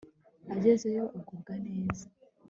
agezeyo agubwa neza